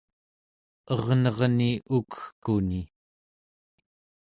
ernerni ukegkuni